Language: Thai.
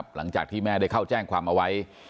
หลังจากที่แม่ได้เข้าแจ้งความเอาไว้